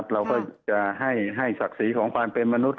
เราก็จะให้ศักดิ์ศรีของความเป็นมนุษย